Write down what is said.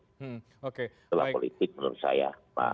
setelah politik menurut saya